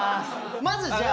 まずじゃあ。